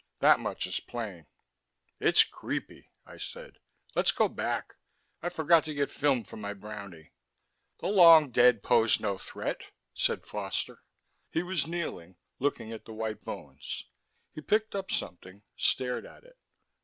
"That much is plain." "It's creepy," I said. "Let's go back; I forgot to get film for my Brownie." "The long dead pose no threat," said Foster. He was kneeling, looking at the white bones. He picked up something, stared at it.